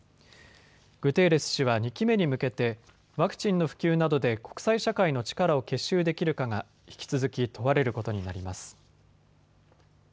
グテーレス氏は２期目に向けてワクチンの普及などで国際社会の力を結集できるかが引き続き問われることになります。